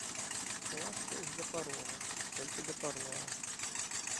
Ласка іх да парога, толькі да парога.